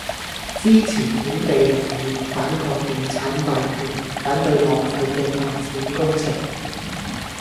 支持本地農業，反抗地產霸權，反對浪費嘅發展工程